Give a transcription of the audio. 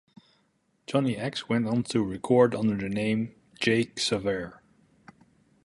Johnny X went on to record under the name J Xaverre.